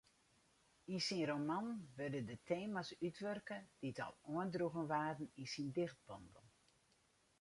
Yn syn roman wurde de tema's útwurke dy't al oandroegen waarden yn syn dichtbondel.